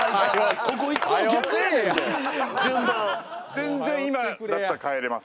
全然今だったら変えれます。